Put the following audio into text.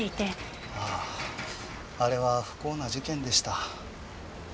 あああれは不幸な事件でした。